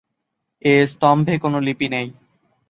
এ স্তম্ভে কোন লিপি নেই।